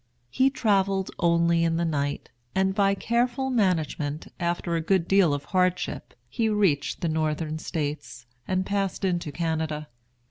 He travelled only in the night, and by careful management, after a good deal of hardship, he reached the Northern States, and passed into Canada.